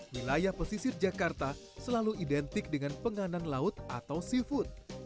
wilayah pesisir jakarta selalu identik dengan penganan laut atau seafood